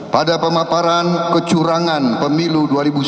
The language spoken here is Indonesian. pada pemaparan kecurangan pemilu dua ribu sembilan belas